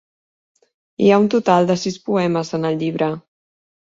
Hi ha un total de sis poemes en el llibre.